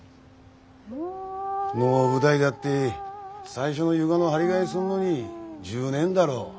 能舞台だって最初の床の張り替えすんのに１０年だろ？